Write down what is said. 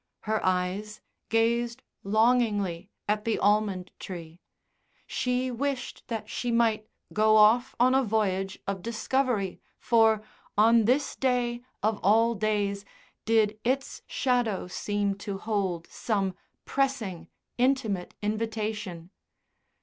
Her eyes gazed longingly at the almond tree; she wished that she might go off on a voyage of discovery for, on this day of all days, did its shadow seem to hold some pressing, intimate invitation.